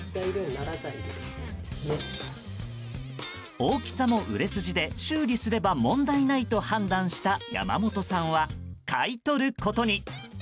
大きさも売れ筋で修理すれば問題ないと判断した山本さんは買い取ることに。